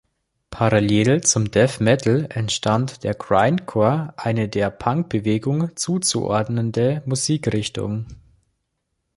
Parallel zum Death Metal entstand der Grindcore, eine der Punk-Bewegung zuzuordnende Musikrichtung.